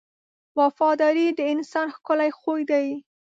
• وفاداري د انسان ښکلی خوی دی.